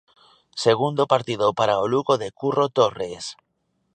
Segundo partido para o Lugo de Curro Torres.